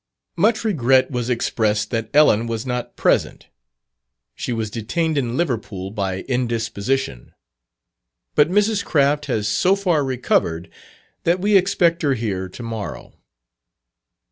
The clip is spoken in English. Much regret was expressed that Ellen was not present. She was detained in Liverpool by indisposition. But Mrs. Craft has so far recovered, that we expect her here to morrow.